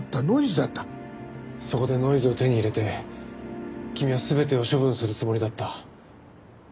そこでノイズを手に入れて君は全てを処分するつもりだった。